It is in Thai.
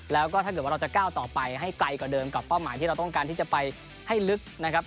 แล้วก็ถ้าเกิดว่าเราจะก้าวต่อไปให้ไกลกว่าเดิมกับเป้าหมายที่เราต้องการที่จะไปให้ลึกนะครับ